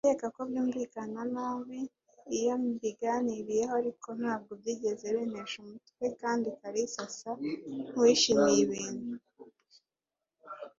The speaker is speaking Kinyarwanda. Ndakeka ko byumvikana nabi iyo mbiganiriyeho, ariko ntabwo byigeze bintesha umutwe, kandi Kalisa asa nkuwishimiye ibintu.